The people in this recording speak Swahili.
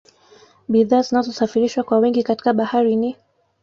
Bidhaa zinazosafirishwa kwa wingi katika Bahari hii ni